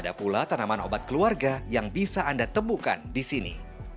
ada pula tanaman obat keluarga yang bisa anda temukan di sini